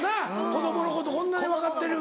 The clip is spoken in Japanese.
子供のことこんなに分かってる。